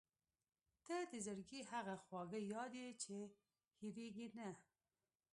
• ته د زړګي هغه خواږه یاد یې چې هېرېږي نه.